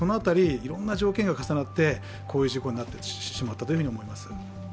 いろんな条件が重なってこういう事故になってしまったと思います。